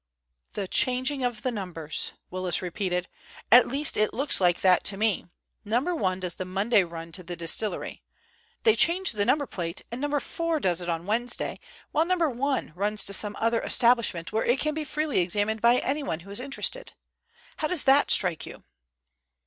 "The changing of the numbers," Willis repeated. "At least, it looks like that to me. No. 1 does the Monday run to the distillery. They change the number plate, and No. 4 does it on Wednesday, while No. 1 runs to some other establishment, where it can be freely examined by anyone who is interested. How does it strike you?"